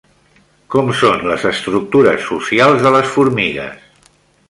Com són les estructures socials de les formigues?